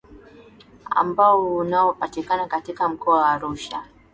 ambao hunaopatikana katika mkoa wa Arusha